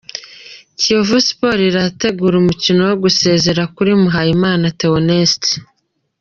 Kiyovu Sport irategura umukino wo gusezera kuri Muhayimana Theoneste.